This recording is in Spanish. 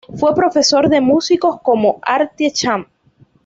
Fue profesor de músicos como Artie Shaw.